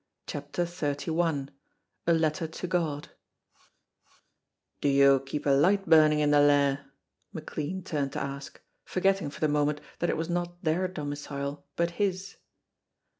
CHAPTER XXXI A LETTER TO GOD "Do you keep a light burning in the Lair?" McLean turned to ask, forgetting for the moment that it was not their domicile, but his.